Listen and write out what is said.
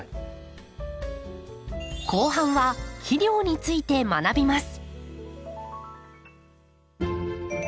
後半は肥料について学びます。